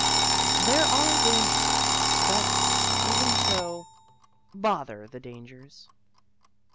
There are " dangers," but Even so, Bother the "dangers"!